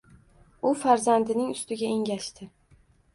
U farzandining ustiga engashdi.